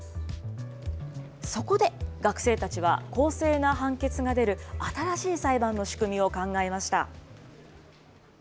そこで学生たちは、公正な判決が出る新しい裁判の仕組みを考えました。